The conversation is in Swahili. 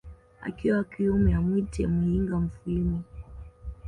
na akiwa wa kiume amwite Muyinga mufwimi